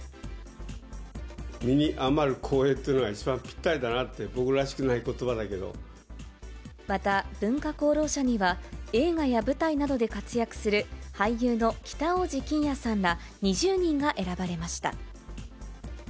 身に余る光栄というのが一番ぴったりだなって、僕らしくないまた文化功労者には、映画や舞台などで活躍する俳優の北大路欣也さんら２０人が選ばれました。